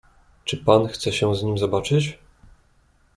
"Czy pan chce się z nim zobaczyć?"